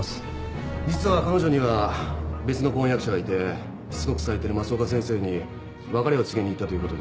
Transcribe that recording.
実は彼女には別の婚約者がいてしつこくされてる増岡先生に別れを告げに行ったということです。